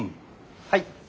はい。